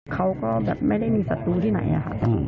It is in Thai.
เขาก็แบบไม่ได้มีศัตรูที่ไหนอะค่ะ